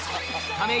亀井！